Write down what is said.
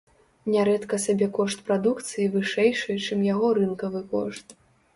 Нярэдка сабекошт прадукцыі вышэйшы, чым яго рынкавы кошт.